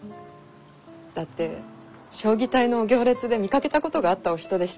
だって彰義隊のお行列で見かけたことがあったお人でしたから。